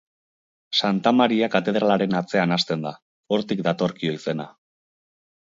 Santa Maria katedralaren atzean hasten da, hortik datorkio izena.